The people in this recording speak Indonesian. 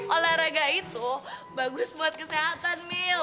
olahraga itu bagus buat kesehatan mil